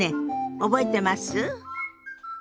覚えてます？